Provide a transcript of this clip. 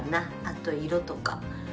あと、色とか。